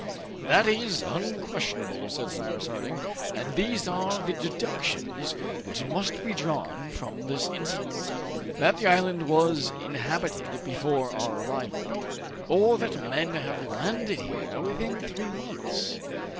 "That is unquestionable," said Cyrus Harding, "and these are the deductions which must be drawn from this incident: that the island was inhabited before our arrival, or that men have landed here within three months.